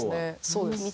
そうです。